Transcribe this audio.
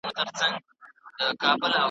لکه غل چي یې په سترګو وي لیدلی .